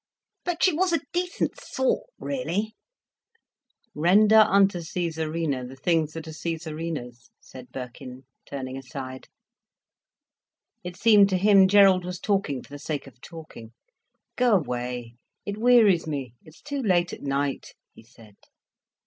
"But she was a decent sort, really—" "Render unto Cæsarina the things that are Cæsarina's," said Birkin, turning aside. It seemed to him Gerald was talking for the sake of talking. "Go away, it wearies me—it's too late at night," he said.